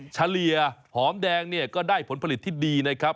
เฉลี่ยหอมแดงเนี่ยก็ได้ผลผลิตที่ดีนะครับ